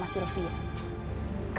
pantes aja kak fanny